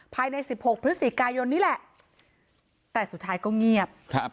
ภายในสิบหกพฤศจิกายนนี่แหละแต่สุดท้ายก็เงียบครับ